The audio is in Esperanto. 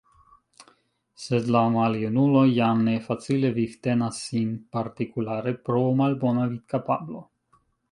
Sed la maljunulo jam ne facile vivtenas sin partikulare pro malbona vidkapablo.